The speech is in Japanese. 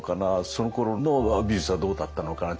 そのころの美術はどうだったのかな？